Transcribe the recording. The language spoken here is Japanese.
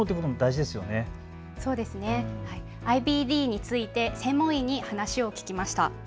ＩＢＤについて専門医に話を聞きました。